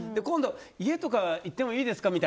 今度は家とか行ってもいいですか？